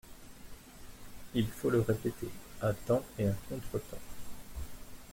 Il faut le répéter, à temps et à contretemps.